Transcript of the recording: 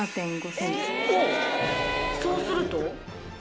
そうすると３．５？